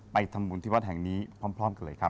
ทำบุญที่วัดแห่งนี้พร้อมกันเลยครับ